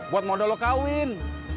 buat modal lu kawin